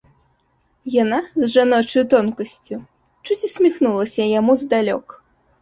Яна з жаночаю тонкасцю чуць усміхнулася яму здалёк.